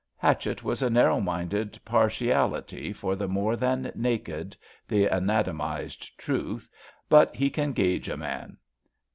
Hatchett has a narrow minded partiality for the more than naked — ^the anatomised Truth — ^but he can gauge a man.